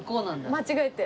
間違えて。